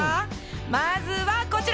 まずはこちら。